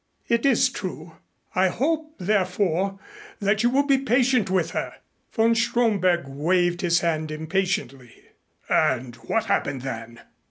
"It is true. I hope, therefore, that you will be patient with her." Von Stromberg waved his hand impatiently. "And what happened then?"